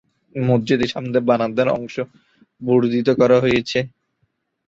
মসজিদটির সামনে বারান্দার অংশ বর্ধিত করা হয়েছে।